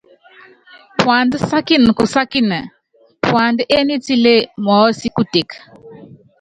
Puandá sákíni kusákíni, puandá ényítilé mɔɔ́sí kuteke.